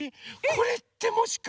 これってもしかして。